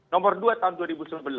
nomor dua tahun dua ribu sembilan belas